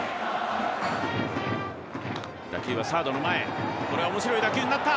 打球はサードの前これは面白い打球になった！